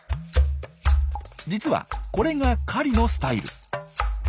実はこれが狩りのスタイル。